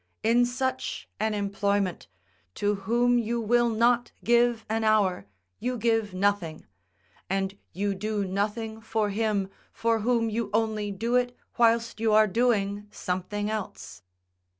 In such an employment, to whom you will not give an hour you give nothing; and you do nothing for him for whom you only do it whilst you are doing something else.